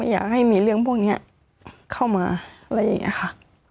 อยากให้มีเรื่องพวกนี้เข้ามาอะไรอย่างนี้ค่ะ